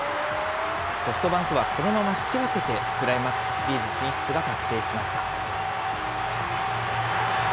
ソフトバンクはこのまま引き分けてクライマックスシリーズ進出が確定しました。